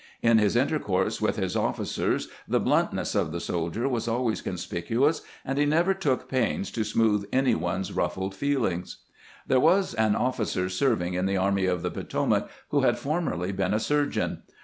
In his intercourse with his officers the bluntness of the soldier was always conspicuous, and he never took pains to smooth any one's ruffled feelings. There was an officer serving in the Army of the Po tomac who had formerly been a surgeon.